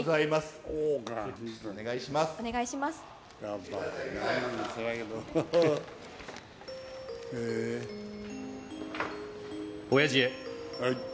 おやじへ。